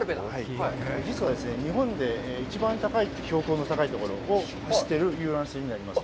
実はですね、日本で一番高い、標高の高いところを走っている遊覧船になります。